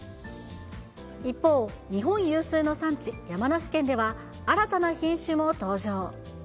一方、日本有数の産地、山梨県では、新たな品種も登場。